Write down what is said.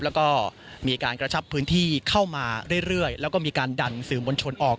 แล้วก็มีการกระชับพื้นที่เข้ามาเรื่อยแล้วก็มีการดันสื่อมวลชนออก